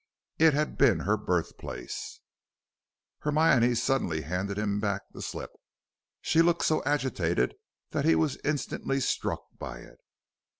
It had been her birthplace." Hermione silently handed him back the slip. She looked so agitated that he was instantly struck by it.